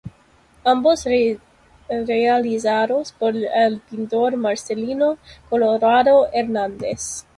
Ambos realizados por el Pintor Marcelino Colorado Hernández.